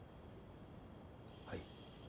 はい。